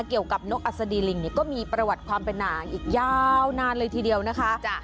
กับนกอัศดีลิงก็มีประวัติความเป็นนางอีกยาวนานเลยทีเดียวนะคะ